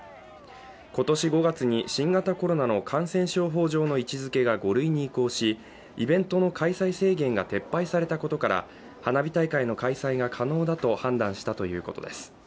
今年５月に新型コロナの感染症法上の位置づけがイベントの開催制限が撤廃されたことから花火大会の開催が可能だと判断したということです。